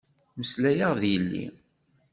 Meslayeɣ d yelli.